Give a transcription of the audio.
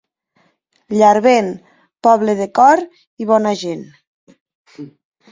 Llarvén, poble de cor i bona gent.